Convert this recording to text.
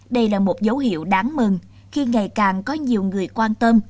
đây là một dấu hiệu đáng mừng khi ngày càng có nhiều người quan tâm